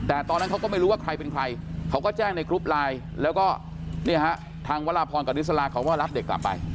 แต่ตอนนั้นเขาก็ไม่รู้ว่าใครเป็นใครเขาก็แจ้งในกรุ๊ปลายแล้วก็นี่ฮะจงละพรกฤษลาเขาก็รับเด็กต่อไป